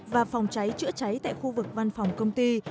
và phòng cháy chữa cháy tại khu vực văn phòng công ty